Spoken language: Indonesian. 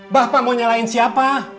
bapak mau nyalain siapa